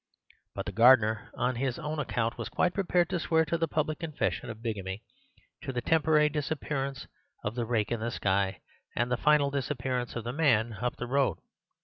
But the gardener, on his own account, was quite prepared to swear to the public confession of bigamy, to the temporary disappearance of the rake in the sky, and the final disappearance of the man up the road.